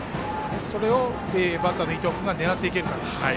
それをバッターの伊藤君が狙っていけるかですね。